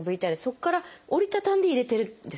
そこから折り畳んで入れてるんですか？